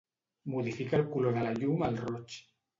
Modifica el color de la llum al roig.